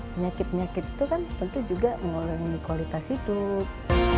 penyakit penyakit itu kan tentu juga mengurangi kualitas hidup